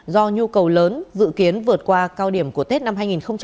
do nhu cầu lớn dự kiến vượt qua cao điểm của tết năm hai nghìn hai mươi